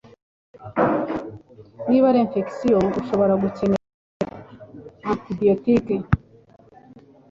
Niba ari infection, ushobora gukenera antibiotike